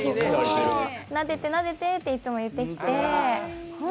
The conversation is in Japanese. なでて、なでてっていつも言ってきて。